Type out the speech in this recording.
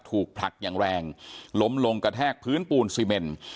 ถูกผลักอย่างแรงล้มลงกระแทกพื้นปูนซีเมน